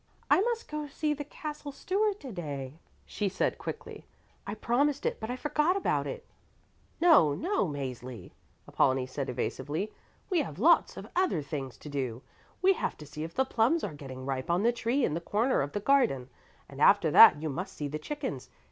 "I must go see the Castle Steward to day," she said quickly. "I promised it but I forgot about it." "No, no, Mäzli," Apollonie said evasively, "we have lots of other things to do. We have to see if the plums are getting ripe on the tree in the corner of the garden, and after that you must see the chickens.